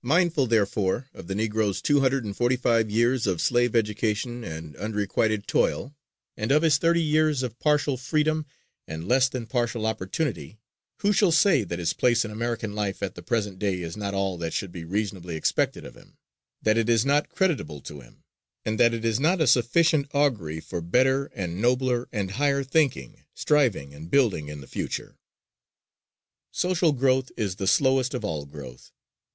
Mindful, therefore, of the Negro's two hundred and forty five years of slave education and unrequited toil, and of his thirty years of partial freedom and less than partial opportunity, who shall say that his place in American life at the present day is not all that should be reasonably expected of him, that it is not creditable to him, and that it is not a sufficient augury for better and nobler and higher thinking, striving and building in the future? Social growth is the slowest of all growth.